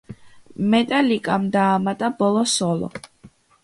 მეტალიკამ დაამატა ბოლო სოლო.